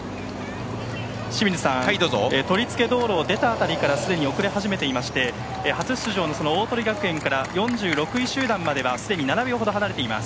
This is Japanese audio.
清水さん、道路を出た辺りからすでに遅れ始めていまして初出場の鵬学園から４６位集団まではすでに７秒ほど離れています。